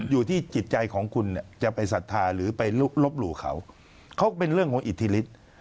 อยู่ที่จิตใจของคุณเนี่ยจะไปศรัทธาหรือไปลบหลู่เขาเขาเป็นเรื่องของอิทธิฤทธิ์